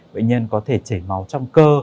bệnh nhân có thể chảy máu trong cơ